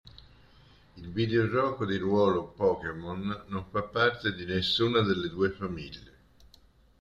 Il videogioco di ruolo Pokémon non fa parte di nessuna delle due famiglie.